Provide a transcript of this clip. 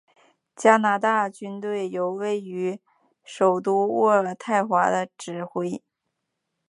加拿大军队由位于首都渥太华的指挥。